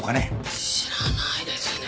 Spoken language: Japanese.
知らないですね。